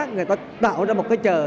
người ta tạo ra một cái chợ